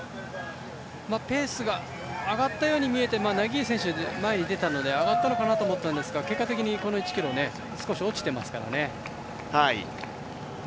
ペースが上がったように見えて、ナギーエ選手が前に出て上がったのかなと思ったんですが、結果的にこの１ｋｍ少し落ちてますからね。